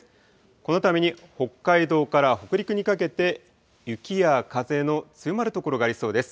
このために北海道から北陸にかけて、雪や風の強まる所がありそうです。